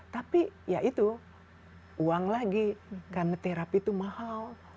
tapi ya itu uang lagi karena terapi itu mahal